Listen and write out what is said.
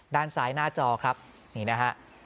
ด้านซ้ายหน้าจอครับนี่นะฮะ